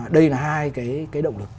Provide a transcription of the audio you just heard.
đây là hai cái động lực